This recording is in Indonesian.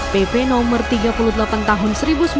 pp no tiga puluh delapan tahun seribu sembilan ratus sembilan puluh